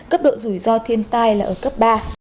cấp độ rủi ro thiên tai là ở cấp ba